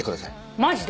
マジで？